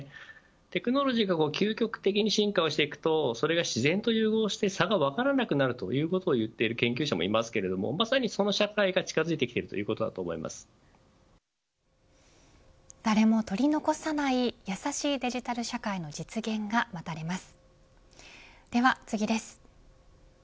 テクノロジーが究極的に進化をしていくとそれが自然と融合して差が分からなくなるということを言っている研究者もいますがその社会が近づいてきている誰もとり残さないやさしいデジタル社会の実現が待たれます。